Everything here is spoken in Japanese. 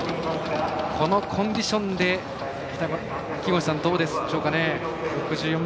このコンディションでどうでしょうか？